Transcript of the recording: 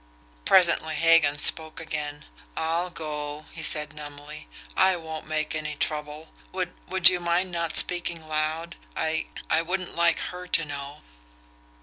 Presently Hagan spoke again. "I'll go," he said numbly. "I won't make any trouble. Would would you mind not speaking loud? I I wouldn't like her to know."